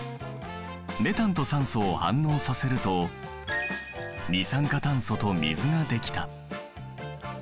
メタンと酸素を反応させると二酸化炭素と水ができた。